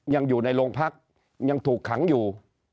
ยังอยู่ในโรงพักยังถูกขังอยู่